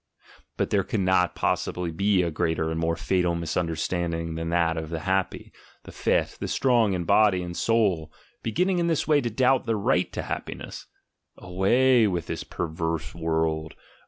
... But there could not possibly be a greater and more fatal misunderstanding than that of the happy, the fit, the strong in body and soul, beginning in this way to doubt their right to hap piness. Away with this "perverse world"!